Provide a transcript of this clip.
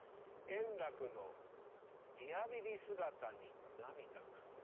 円楽のリハビリ姿に涙かな。